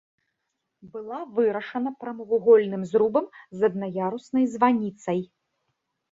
Была вырашана прамавугольным зрубам з аднаяруснай званіцай.